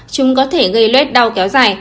chúng có thể gây lết đau kéo dài